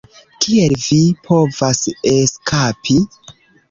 Kiel vi povas eskapi?"